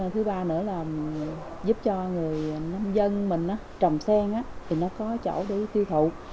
thứ ba nữa là giúp cho người nông dân mình trồng sen thì nó có chỗ để tiêu thụ